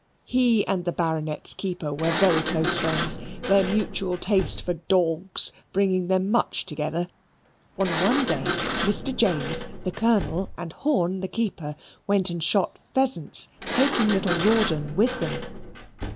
He and the Baronet's keeper were very close friends, their mutual taste for "dawgs" bringing them much together. On one day, Mr. James, the Colonel, and Horn, the keeper, went and shot pheasants, taking little Rawdon with them.